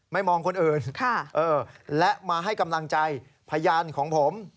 มองคนอื่นและมาให้กำลังใจพยานของผม